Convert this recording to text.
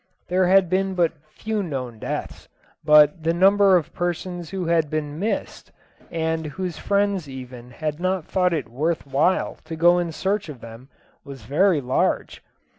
There had been but few known deaths, but the number of persons who had been missed, and whose own friends even had not thought it worth while to go in search of them, was very large.